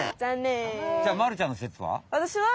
じゃあまるちゃんのせつは？